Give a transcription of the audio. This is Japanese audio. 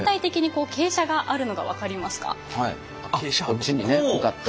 こっちにね向かって。